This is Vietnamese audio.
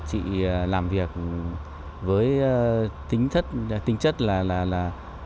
chị làm việc với tính chất là